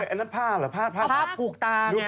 อันนั้นผ้าหรอผ้าผูกตาไง